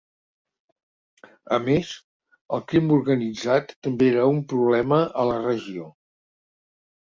A més, el crim organitzat també era un problema a la regió.